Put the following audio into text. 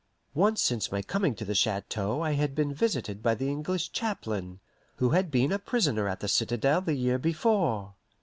Once since my coming to the chateau I had been visited by the English chaplain who had been a prisoner at the citadel the year before.